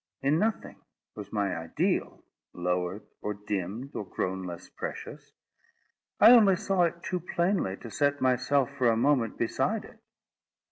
In nothing was my ideal lowered, or dimmed, or grown less precious; I only saw it too plainly, to set myself for a moment beside it.